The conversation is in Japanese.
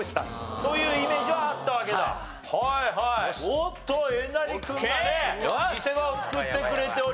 おーっとえなり君がね見せ場を作ってくれております。